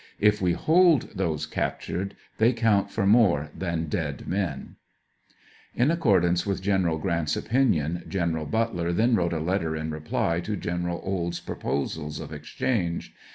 If we hold those captured, they count for more than dead men." 190 EX PRI80NEBS AND PENSIONS, In accordance with General Grant's opinion General Butler then wrote a letter in reply to General Quid's proposals of exchange.